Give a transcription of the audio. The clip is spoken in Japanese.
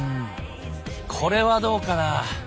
これはどうかな。